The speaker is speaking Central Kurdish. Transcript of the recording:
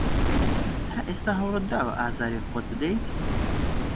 تا ئێستا هەوڵت داوە ئازاری خۆت بدەیت؟